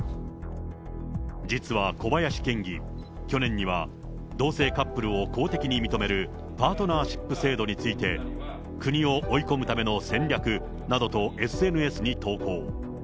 実は小林県議、去年には同性カップルを公的に認めるパートナーシップ制度について、国を追い込むための戦略などとＳＮＳに投稿。